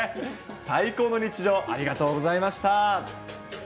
最高の日常、ありがとうございました。